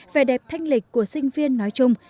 về đẹp thanh lịch của sinh viên nói chung